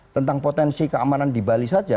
tentang potensi keamanan di bali saja